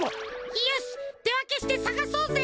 よしってわけしてさがそうぜ。